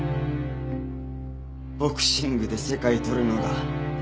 ボクシングで世界取るのが。